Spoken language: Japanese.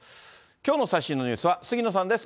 きょうの最新のニュースは杉野さんです。